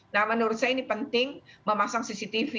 nah menurut saya ini penting memasang cctv